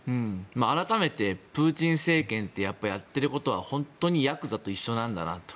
改めて、プーチン政権ってやっぱりやっていることは本当にやくざと一緒なんだなと。